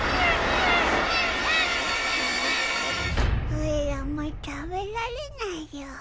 オイラもう食べられないよ。